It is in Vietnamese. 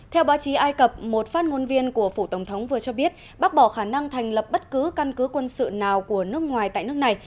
theo báo chí ai cập một phát ngôn viên của phủ tổng thống vừa cho biết bác bỏ khả năng thành lập bất cứ căn cứ quân sự nào của nước ngoài tại nước này